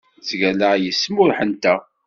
Ttgallaɣ yis-m ur ḥenteɣ.